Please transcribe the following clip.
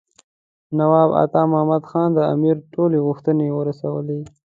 نواب عطا محمد خان د امیر ټولې غوښتنې ورسولې.